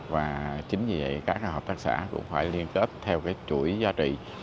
và chính vì vậy các hợp tác xã cũng phải liên kết theo cái chuỗi giá trị